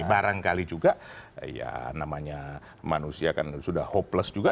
barangkali juga ya namanya manusia kan sudah hopeless juga